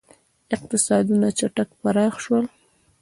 • اقتصادونه چټک پراخ شول.